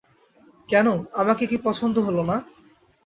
কেন, আমাকে কি পছন্দ হল না।